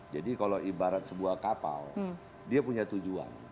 jadi kalau ibarat sebuah kapal dia punya tujuan